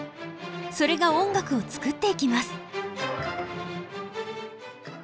それが音楽を作っていきます。